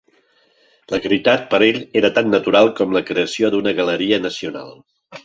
La caritat per a ell era tan natural com la creació d'una galeria nacional.